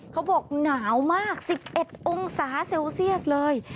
เขาบอกหนาวมาก๑๑องศาเซลเซียสเลย